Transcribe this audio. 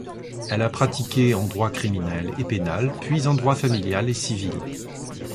Elle a pratiqué en droit criminel et pénal, puis en droit familial et civil.